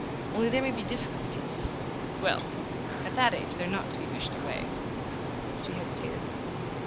Only there may be difficulties " "Well! At that age they're not always to be wished away." She hesitated.